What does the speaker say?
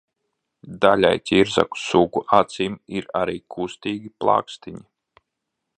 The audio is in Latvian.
Daļai ķirzaku sugu acīm ir arī kustīgi plakstiņi.